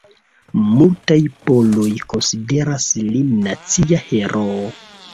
Multaj poloj konsideras lin nacia heroo.